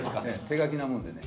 手書きなもので。